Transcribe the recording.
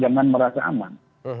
jangan merasa aman